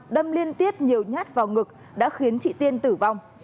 đâm liên tiếp nhiều nhát vào ngực đã khiến chị tiên tử vong